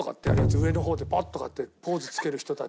上の方でパッとかってポーズつける人たち。